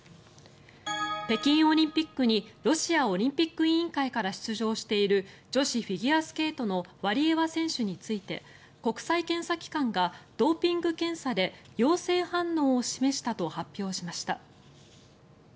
北京オリンピックにロシアオリンピック委員会から出場している女子フィギュアスケートのワリエワ選手について国際検査機関がドーピング検査で陽性反応を示したと発表しました。